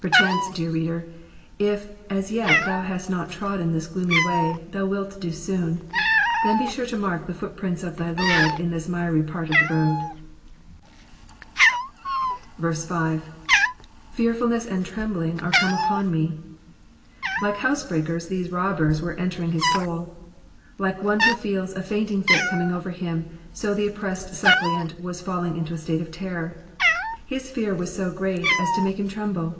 Per chance, dear reader, if as yet thou hast not trodden this gloomy way, thou wilt do soon ; then be sure to mark the footprints of thy Lord in this miry part of the road. Digitized by VjOOQIC PSALM THE FIFTT FIFTH. 17 5. ^^Fearftdness and tremNing are came upon me,'*'* Like housebreakera these robbers were entering his soul. Like one who feels a fainting fit coming oirer him, so the oppressed suppliant was falling into a state of terror. His fear was so great as to make him tremble.